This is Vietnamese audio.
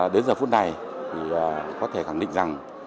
đến giờ phút này thì có thể khẳng định rằng